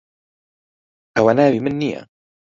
ئەوە ناوی من نییە.